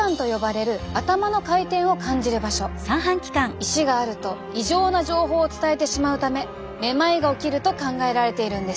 石があると異常な情報を伝えてしまうためめまいが起きると考えられているんです。